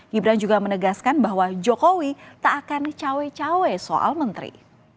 gibran juga menegaskan bahwa jokowi tak akan cawe cawe soal menteri